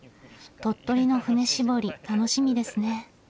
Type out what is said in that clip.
鳥取の槽搾り楽しみですね。